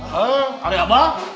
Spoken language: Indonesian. hah ada apa